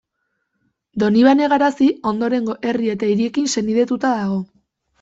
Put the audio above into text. Donibane Garazi ondorengo herri eta hiriekin senidetuta dago.